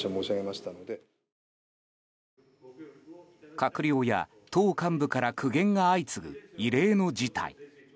閣僚や党幹部から苦言が相次ぐ異例の事態。